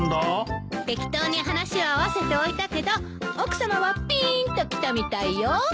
適当に話を合わせておいたけど奥さまはピーンときたみたいよ？